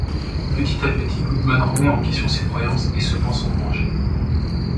Petit à petit, Goodman remet en questions ses croyances et se pense en danger...